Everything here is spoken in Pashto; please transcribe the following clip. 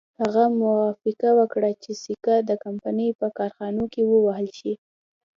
هغه موافقه وکړه چې سکه د کمپنۍ په کارخانو کې ووهل شي.